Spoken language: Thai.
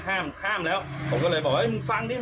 ข้ามข้ามแล้วผมก็เลยบอกพันธุ์